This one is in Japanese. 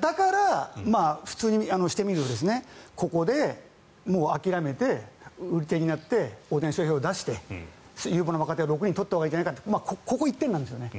だから、普通にしてみればここで諦めて売り手になって大谷選手を出して有望な若手を６人取ったほうがいいんじゃないかここ１点なんですよね。